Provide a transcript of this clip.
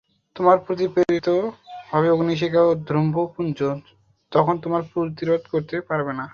তোমাদের প্রতি প্রেরিত হবে অগ্নিশিখা ও ধূম্রপুঞ্জ, তখন তোমরা প্রতিরোধ করতে পারবে না।